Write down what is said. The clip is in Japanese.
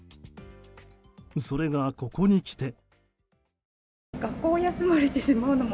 それが、ここにきて。